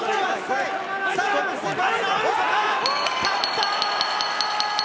勝った！